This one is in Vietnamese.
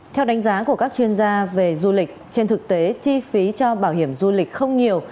theo đánh giá của các chuyên gia về du lịch trên thực tế chi phí cho bảo hiểm du lịch không nhiều